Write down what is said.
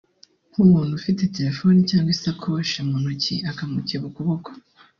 nk’umuntu ufite telefoni cyangwa ishakoshi mu ntoki akamukeba n’urwembe